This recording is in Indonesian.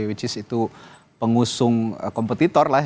which is itu pengusung kompetitor lah